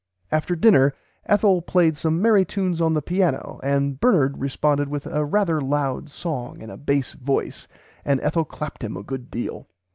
"After dinner Ethel played some merry tunes on the piano and Bernard responded with a rarther loud song in a base voice and Ethel clapped him a good deal.